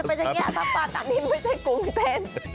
บอกแล้วจะไปเจ๋งเนี่ยทับปากอันนี้ไม่ใช่กุ้งเต้น